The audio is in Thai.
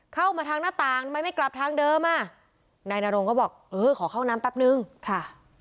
เข้ามาทางหน้าต่างทำไมไม่กลับทางเดิมอ่ะนายนรงก็บอกเออขอเข้าน้ำแป๊บนึงค่ะ